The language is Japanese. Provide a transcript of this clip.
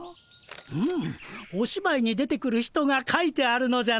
ふむおしばいに出てくる人が書いてあるのじゃな。